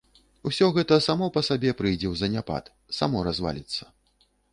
Усё гэта само па сабе прыйдзе ў заняпад, само разваліцца.